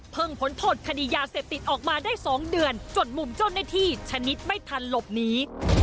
เพิ่งพ้นโทษคดียาเสพติดออกมาได้สองเดือนจนมุมโจทย์หน้าที่ชนิดไม่ทันหลบหนี